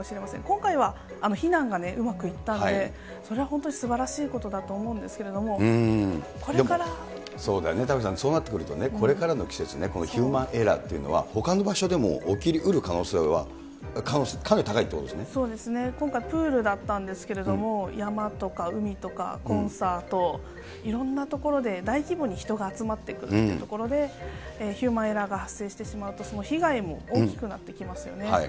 今回は避難がうまくいったんで、それは本当にすばらしいことだとそうだよね、玉城さん、そうなってくるとね、これからの季節ね、このヒューマンエラーっていうのは、ほかの場所でも起きうる可能性はかなり高いというこそうですね、今回プールだったんですけれども、山とか海とかコンサート、いろんな所で大規模に人が集まってくるという所で、ヒューマンエラーが発生してしまうと、その被害も大きくなってきますよね。